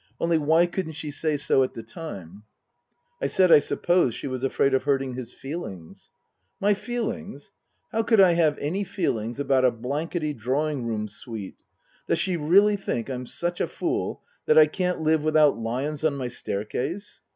Only why couldn't she say so at the time ?" I said I supposed she was afraid of hurting his feelings. " My feelings ? How could I have any feelings about a blanketty drawing room suite ? Does she really think I'm such a fool that I can't live without lions on my staircase